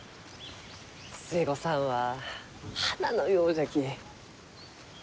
寿恵子さんは花のようじゃき。